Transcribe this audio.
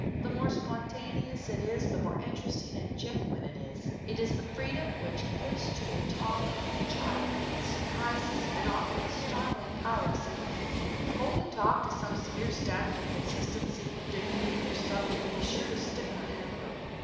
The more spontaneous it is the more interesting and genuine it is. It is this freedom which gives to the talk of the child its surprises and often its startling power to set one thinking. Holding talk to some severe standard of consistency, dignity, or subject is sure to stiffen and hamper it.